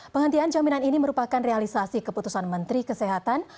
penghentian jaminan ini merupakan realisasi keputusan menteri kesehatan